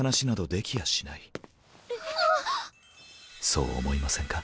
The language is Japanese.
そう思いませんか？